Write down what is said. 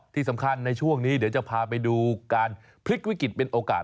ที่สำคัญในช่วงนี้เดี๋ยวจะพาไปดูการพลิกวิกฤตเป็นโอกาส